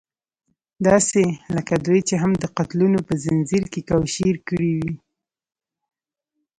داسې لکه دوی چې هم د قتلونو په ځنځير کې کوشير کړې وي.